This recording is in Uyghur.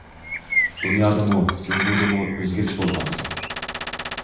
دۇنيادىمۇ، جۇڭگودىمۇ ئۆزگىرىش بولۇۋاتىدۇ.